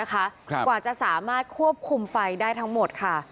กว่าจะสามารถควบคุมไฟได้ทั้งหมดค่ะ